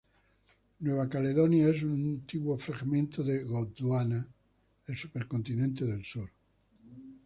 Nueva Caledonia es un antiguo fragmento de Gondwana, el supercontinente del sur.